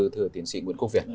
thưa tiến sĩ nguyễn quốc việt